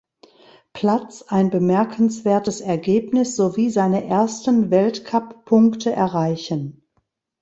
Platz ein bemerkenswertes Ergebnis sowie seine ersten Weltcup-Punkte erreichen.